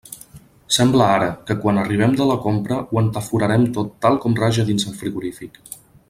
Sembla ara, que quan arribem de la compra ho entaforem tot tal com raja dins el frigorífic.